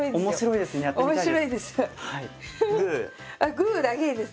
グーだけです。